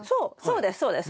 そうですそうです。